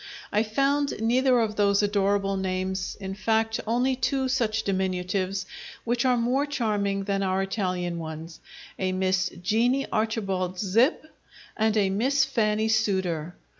I found neither of those adorable names in fact, only two such diminutives, which are more charming than our Italian ones: A Miss Jeanie Archibald Zip and a Miss Fannie Sooter.